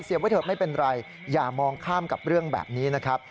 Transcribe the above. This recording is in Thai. ไว้เถอะไม่เป็นไรอย่ามองข้ามกับเรื่องแบบนี้นะครับ